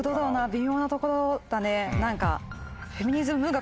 微妙なところだね。